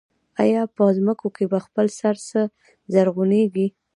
آیا په ځمکو کې په خپل سر څه زرغونېږي